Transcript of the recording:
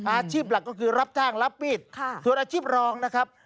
อาชีพหลักก็คือรับจ้างรับมีดส่วนอาชีพรองนะครับ